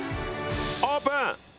オープン！